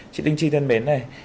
chị đinh tri thân mến này